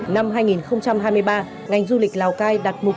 năm hai nghìn hai mươi ba ngành du lịch lào cai đặt mục tiêu